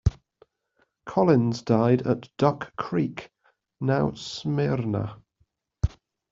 Collins died at Duck Creek, now Smyrna.